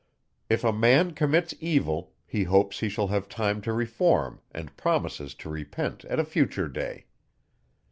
If a man commits evil, he hopes, he shall have time to reform, and promises to repent at a future day.